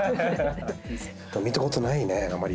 見たことないねあまり。